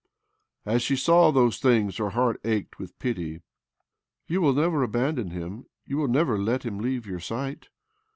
As she saw those things her heart ached with pity. "You will never abandon him — you will never let him leave your sight?"